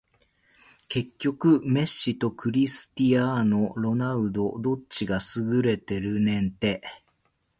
結局メッシとクリスティアーノ・ロナウドどっちが優れてるねんて